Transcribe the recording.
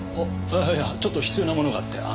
ああいやちょっと必要なものがあってな。